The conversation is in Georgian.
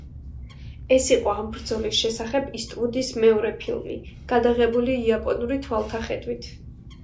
ეს იყო ამ ბრძოლის შესახებ ისტვუდის მეორე ფილმი, გადაღებული იაპონური თვალთახედვით.